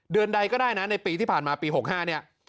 เดือนใดก็ได้นะในปีที่ผ่านมาปี๖๕เนี่ย